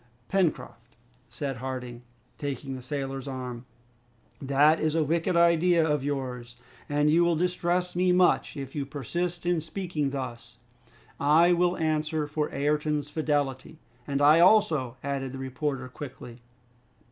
"Pencroft," said Harding, taking the sailor's arm, "that is a wicked idea of yours, and you will distress me much if you persist in speaking thus. I will answer for Ayrton's fidelity." "And I also," added the reporter quickly.